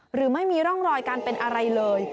หรือไม่มีร่องรอยการเป็นอะไรเลย